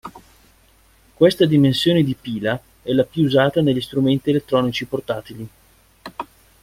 Questa dimensione di pila è la più usata negli strumenti elettronici portatili.